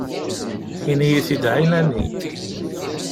Ini-yi-t-id ɛinani.